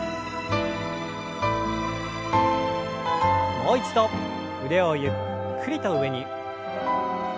もう一度腕をゆっくりと上に。